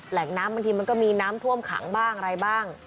แหล่งน้ำบางทีมันก็มีน้ำท่วมขังบ้างอะไรบ้าง